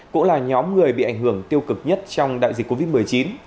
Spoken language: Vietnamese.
cũng là nhóm người bị ảnh hưởng tiêu cực nhất trong đại dịch covid một mươi chín